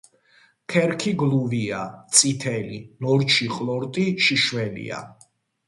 ქერქი გლუვია, წითელი; ნორჩი ყლორტი შიშველია.